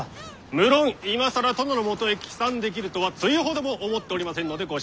無論今更殿のもとへ帰参できるとはつゆほども思っておりませんのでご心配なく。